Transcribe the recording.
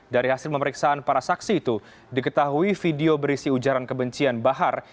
dari hasil pemeriksaan para saksi itu diketahui video berisi ujaran kebencian bahar